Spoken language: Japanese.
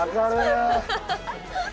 ハハハッ。